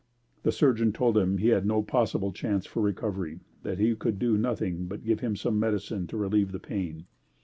The surgeon told him he had no possible chance for recovery; that he could do nothing but give him some medicine to relieve the pain.